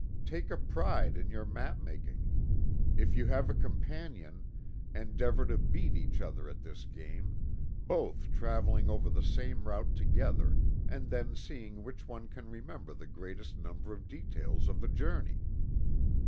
Take a pride in your map making. If you have a companion, endeavor to beat each other at this game both traveling over the same route together, and then seeing which one can remember the greatest number of details of the journey.